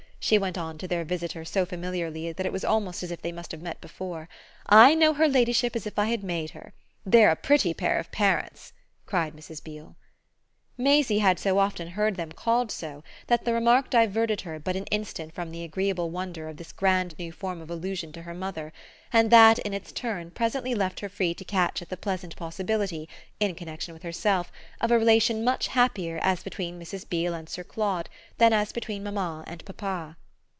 she went on to their visitor so familiarly that it was almost as if they must have met before. "I know her ladyship as if I had made her. They're a pretty pair of parents!" cried Mrs. Beale. Maisie had so often heard them called so that the remark diverted her but an instant from the agreeable wonder of this grand new form of allusion to her mother; and that, in its turn, presently left her free to catch at the pleasant possibility, in connexion with herself, of a relation much happier as between Mrs. Beale and Sir Claude than as between mamma and papa.